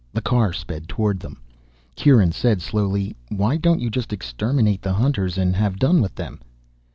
The car sped toward them. Kieran said slowly, "Why don't you just exterminate the hunters and have done with them?"